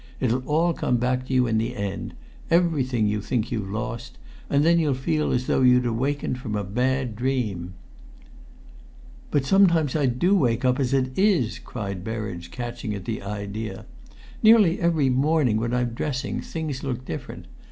It'll all come back to you in the end everything you think you've lost and then you'll feel as though you'd awakened from a bad dream." "But sometimes I do wake up, as it is!" cried Berridge, catching at the idea. "Nearly every morning, when I'm dressing, things look different.